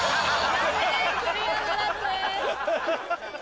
残念クリアならずです。